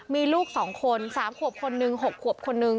มีลูก๒คน๓ขวบคนหนึ่ง๖ขวบคนนึง